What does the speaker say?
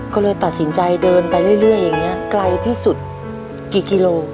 ก็เลยตัดสินใจเดินไปเรื่อยอย่างนี้ไกลที่สุดกี่กิโล